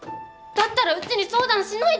だったらうちに相談しないで。